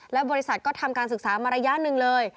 และบริษัทก็ทำการศึกษามาระยะหนึ่งเลย